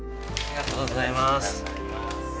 ありがとうございます。